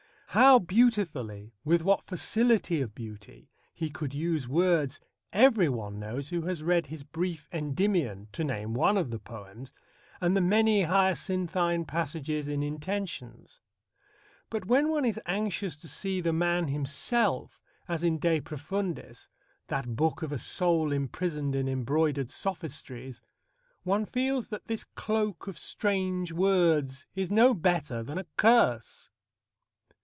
How beautifully, with what facility of beauty, he could use words, everyone knows who has read his brief Endymion (to name one of the poems), and the many hyacinthine passages in Intentions. But when one is anxious to see the man himself as in De Profundis that book of a soul imprisoned in embroidered sophistries one feels that this cloak of strange words is no better than a curse.